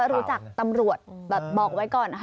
รู้จักตำรวจแบบบอกไว้ก่อนนะคะ